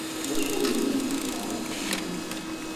D acu ay yellan deg tkeṛṛust-nnek?